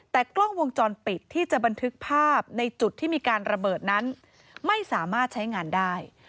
แต่กล้องวงจรปิดที่จะบันทึกภาพในจุดที่มีการระเบิดนั้นไม่สามารถใช้งานได้